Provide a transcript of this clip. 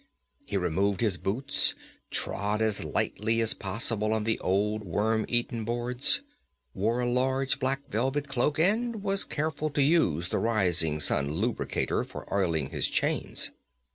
He removed his boots, trod as lightly as possible on the old worm eaten boards, wore a large black velvet cloak, and was careful to use the Rising Sun Lubricator for oiling his chains.